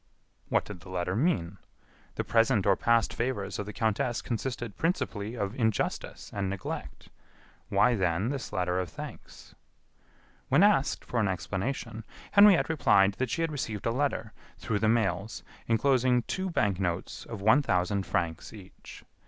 What did the letter mean? The present or past favors of the countess consisted principally of injustice and neglect. Why, then, this letter of thanks? When asked for an explanation, Henriette replied that she had received a letter, through the mails, enclosing two bank notes of one thousand francs each.